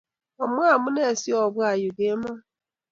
Omwa amune siobwa yu kemoi